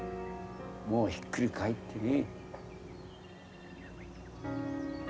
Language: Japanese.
もうひっくり返ってね。